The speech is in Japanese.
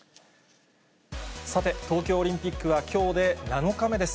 さて、東京オリンピックはきょうで７日目です。